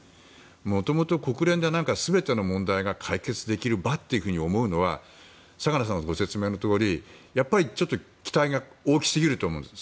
もともと国連って全ての問題が解決できる場というふうに思うのは相良さんのご説明のとおりちょっと期待が大きすぎると思うんです。